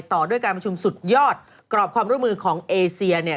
ต่อด้วยการประชุมสุดยอดกรอบความร่วมมือของเอเซียเนี่ย